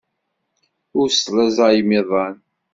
Ur teslaẓayem iḍan.